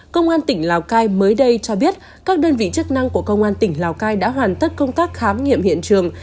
công an tỉnh lào cai mới đây cho biết các đơn vị chức năng của công an tỉnh lào cai đã hoàn tất công tác khám nghiệm hiện trường